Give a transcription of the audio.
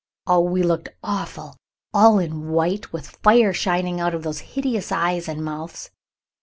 Oh, we looked awful, all in white, with fire shining out of those hideous eyes and mouths.